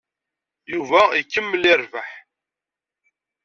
Yuba ikemmel irebbeḥ.